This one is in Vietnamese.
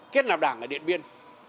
kết nạp đảng ở điện biên